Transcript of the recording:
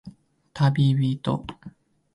たびびと